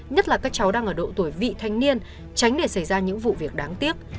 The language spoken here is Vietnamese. nhất là các cháu đang ở độ tuổi vị thanh niên tránh để xảy ra những vụ việc đáng tiếc